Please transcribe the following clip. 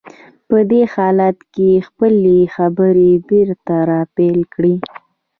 په دې حالت کې يې خپلې خبرې بېرته را پيل کړې.